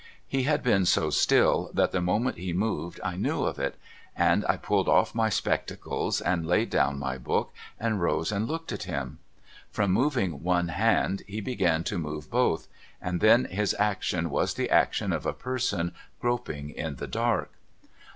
He had been so still, that the moment he moved I knew of it, and I pulled off my spectacles and laid down my book and rose and looked at him. From moving one hand he began to move both, and then his action was the action of a person groping in the dark.